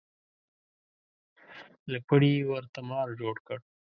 له پړي یې ورته مار جوړ کړ.